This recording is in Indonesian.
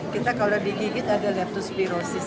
kita kalau digigit ada leptospirosis